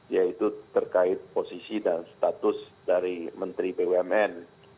yaitu terkait posisi dan status dari menteri bumn